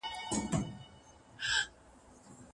پر مځکي باندي د باران څاڅکي پرېوتل.